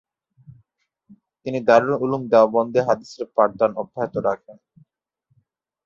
তিনি দারুল উলুম দেওবন্দে হাদিসের পাঠদান অব্যাহত রাখেন।